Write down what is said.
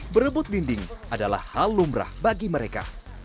berebut dinding adalah hal lumrah bagi mereka